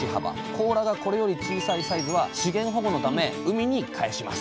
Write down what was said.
甲羅がこれより小さいサイズは資源保護のため海に返します